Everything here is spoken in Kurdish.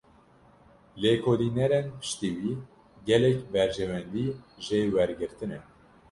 Lêkolînerên piştî wî, gelek berjewendî jê wergirtine